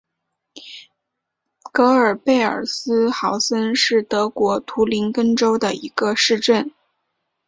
格尔贝尔斯豪森是德国图林根州的一个市镇。